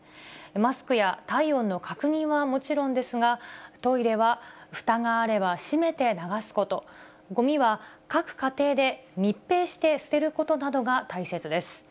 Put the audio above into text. マスクや体温の確認はもちろんですが、トイレはふたがあれば閉めて流すこと、ごみは各家庭で密閉して捨てることなどが大切です。